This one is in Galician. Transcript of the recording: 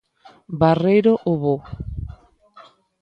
Barreiro o bo.